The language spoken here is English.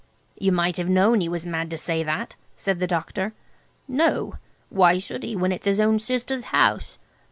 "You might have known he was mad to say that," said the doctor. "No. Why should he, when it's his own sister's house?